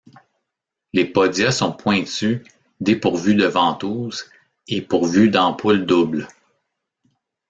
Les podia sont pointus, dépourvus de ventouse, et pourvus d'ampoules doubles.